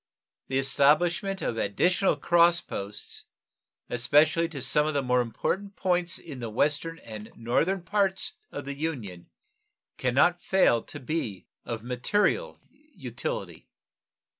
The establishment of additional cross posts, especially to some of the important points in the Western and Northern parts of the Union, can not fail to be of material utility.